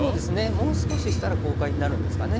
もう少ししたら公開になるんですかね。